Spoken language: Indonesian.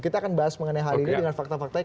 kita akan bahas mengenai hal ini dengan fakta faktanya